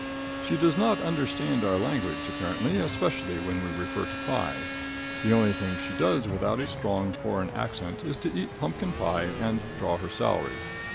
She does not understand our language, apparently, especially when we refer to pie. The only thing she does without a strong foreign accent is to eat pumpkin pie and draw her salary.